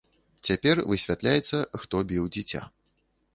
Цяпер высвятляецца, хто біў дзіця.